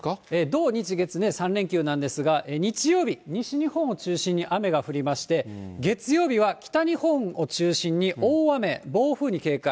土、日、月、３連休なんですが、日曜日、西日本を中心に雨が降りまして、月曜日は北日本を中心に大雨、暴風に警戒。